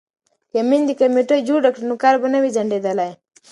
که میندې کمیټه جوړه کړي نو کار به نه وي ځنډیدلی.